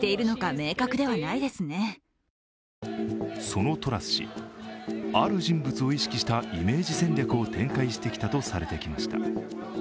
そのトラス氏、ある人物を意識したイメージ戦略を展開してきたとされてきました。